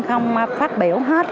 không phát biểu hết